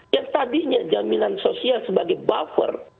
yang tadinya jaminan sosial sebagai buffer